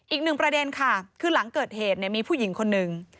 อีกหนึ่งประเด็นค่ะคือหลังเกิดเหตุมีผู้หญิงคนหนึ่ง